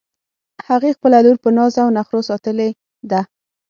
هغې خپله لور په ناز او نخروساتلی ده